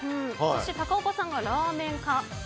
そして、高岡さんがラーメン課。